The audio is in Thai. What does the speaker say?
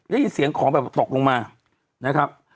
ได้ยินเสียงของแบบตกลงมานะครับ